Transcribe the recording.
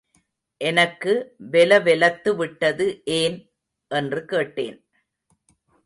எனக்கு வெல வெலத்து விட்டது ஏன்? என்று கேட்டேன்.